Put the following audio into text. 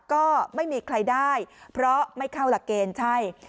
ก็ไม่มีใครได้เพราะไม่เข้าหลักเกณฑ์ใช่